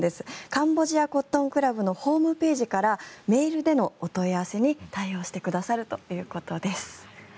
カンボジアコットンクラブのホームページからメールでのお問い合わせに対応してくださるということです。